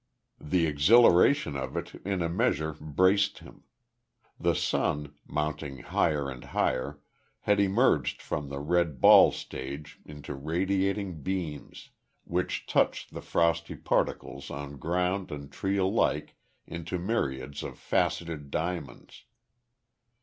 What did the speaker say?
The exhilaration of it in a measure braced him. The sun, mounting higher and higher, had emerged from the red ball stage into radiating beams, which touched the frosty particles on ground and tree alike into myriads of faceted diamonds.